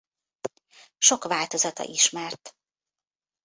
Sok változata ismert.